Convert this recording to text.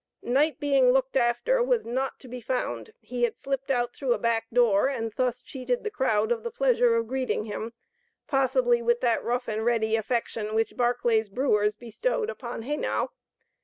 Knight being looked after, was not to be found. He had slipped out through a back door, and thus cheated the crowd of the pleasure of greeting him possibly with that rough and ready affection which Barclay's brewers bestowed upon Haynau.